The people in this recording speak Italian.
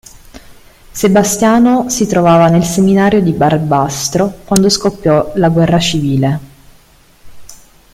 Sebastiano si trovava nel seminario di Barbastro quando scoppiò la guerra civile.